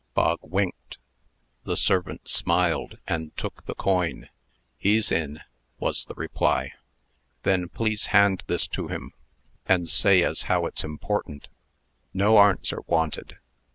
Bog winked. The servant smiled, and took the coin. "He's in," was the reply. "Then please hand this to him, and say as how it's 'mportant. No arnser wanted."